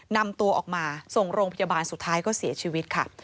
นำตัวออกมาส่งโรงพยาบาลสุดท้ายก็เสียชีวิตค่ะ